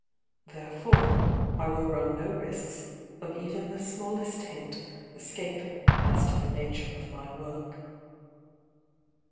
Therefore I will run no risks of even the small est hint escaping as to the nature of my work."